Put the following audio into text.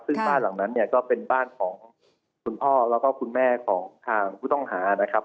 ซึ่งบ้านหลังนั้นเนี่ยก็เป็นบ้านของคุณพ่อแล้วก็คุณแม่ของทางผู้ต้องหานะครับ